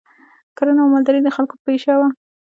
کرنه او مالداري د خلکو پیشه وه